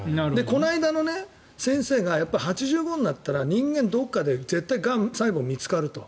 この間の先生が８５歳になったら人間どこかで必ずがん細胞が見つかると。